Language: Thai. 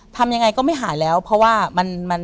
ทำยังไงก็ไม่หายแล้วเพราะว่ามัน